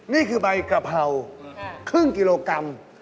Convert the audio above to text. นี่คือใบกระเพราครึ่งกิโลกรัม